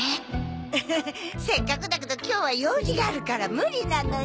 ウフフせっかくだけど今日は用事があるから無理なのよ。